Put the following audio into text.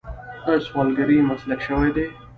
آیا سوالګري مسلک شوی دی؟